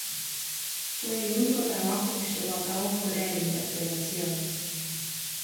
Fue el único trabajo que llevó a cabo fuera de la interpretación.